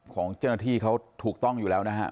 ของเจ้าหน้าที่เขาถูกต้องอยู่แล้วนะฮะ